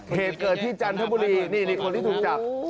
เหตุเกิดที่จันทบุรีนี่คนที่ถูกจับ